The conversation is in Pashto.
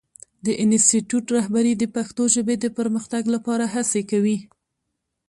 د انسټیټوت رهبري د پښتو ژبې د پرمختګ لپاره هڅې کوي.